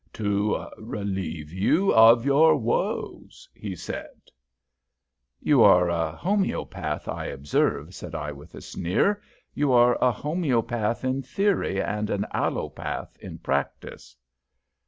"To relieve you of your woes," he said. "You are a homoeopath, I observe," said I, with a sneer. "You are a homoeopath in theory and an allopath in practice."